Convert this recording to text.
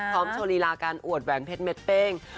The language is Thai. พร้อมโชว์ฬีราการอวดแหวงเพชรเม็ดเป้ง